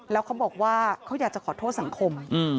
แล้วเขาบอกว่าเขาอยากจะขอโทษสังคม